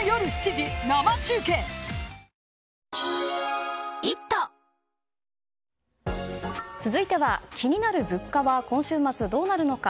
「ハミングフレア」続いては気になる物価は今週末どうなるのか。